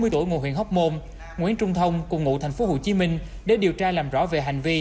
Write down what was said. ba mươi tuổi ngụ huyện hóc môn nguyễn trung thông cùng ngụ tp hcm để điều tra làm rõ về hành vi